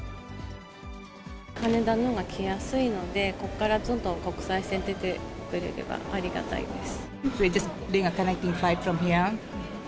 羽田のほうが来やすいので、ここからどんどん国際線出てくれればありがたいです。